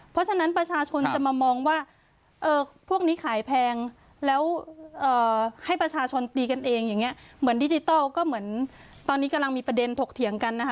เพราะฉะนั้นประชาชนจะมามองว่า